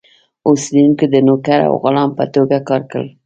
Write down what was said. اوسېدونکي د نوکر او غلام په توګه کار کړل.